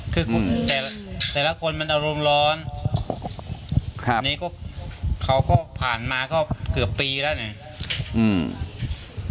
คือแต่ละคนมันอารมณ์ร้อนเขาก็ผ่านมาก็เกือบปีแล้วเนี่ย